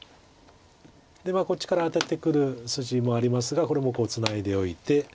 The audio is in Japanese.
こっちからアテてくる筋もありますがこれもこうツナいでおいて。